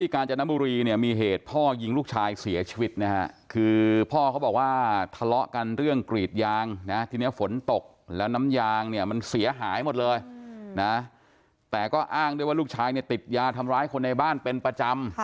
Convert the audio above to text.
การจนบุรีเนี่ยมีเหตุพ่อยิงลูกชายเสียชีวิตนะฮะคือพ่อเขาบอกว่าทะเลาะกันเรื่องกรีดยางนะทีนี้ฝนตกแล้วน้ำยางเนี่ยมันเสียหายหมดเลยนะแต่ก็อ้างด้วยว่าลูกชายเนี่ยติดยาทำร้ายคนในบ้านเป็นประจำ